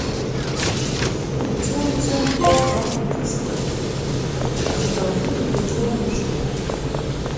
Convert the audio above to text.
Уца, уца, уақәиҭыстәуеит, аха Колхидагьы ухоумыршҭлан.